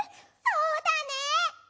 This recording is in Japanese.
そうだね！